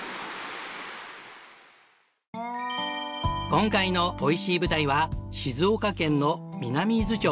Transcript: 今回のおいしい舞台は静岡県の南伊豆町。